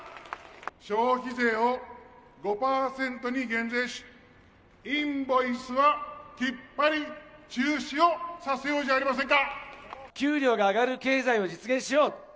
消費税を５％に減税し、インボイスはきっぱり中止をさせようじゃ給料が上がる経済を実現しよう。